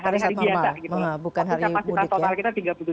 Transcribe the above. hari hari biasa gitu tapi kapasitas